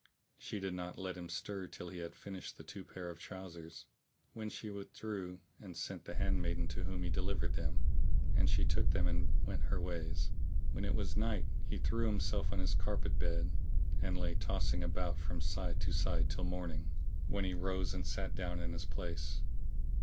She did not let him stir till he had finished the two pair of trousers, when she with drew and sent the handmaid to whom he delivered them; and she took them and went her ways. When it was night, he threw himself on his carpet bed, and lay tossing about from side to side till morning, when he rose and sat down in his place.